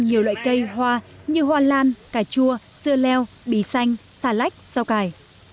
nhiều loại cây hoa như hoa lan cà chua dưa leo bì xanh xà lách rau cài